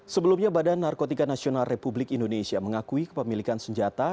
sebelumnya badan narkotika nasional republik indonesia mengakui kepemilikan senjata